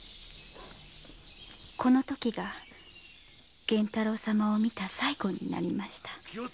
この時が源太郎様を見た最後になりました。